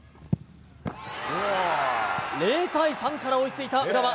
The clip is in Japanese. ０対３から追いついた浦和。